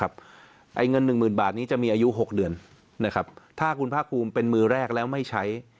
ไอ้เงิน๑๐๐๐บาทนี้จะมีอายุ๖เดือนถ้าคุณภาคภูมิเป็นมือแรกแล้วไม่ใช้